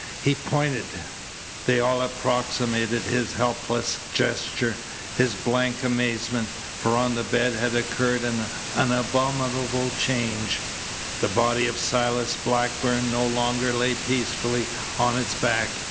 He pointed. They all approximated his helpless gesture, his blank amazement. For on the bed had occurred an abominable change. The body of Silas Blackburn no longer lay peacefully on its back.